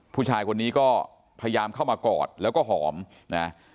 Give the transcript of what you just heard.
ผู้ชายคนนี้ก็พยายามเข้ามากอดแล้วก็หอมนะ